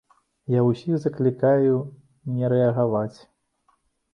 Я ўсіх заклікаю не рэагаваць.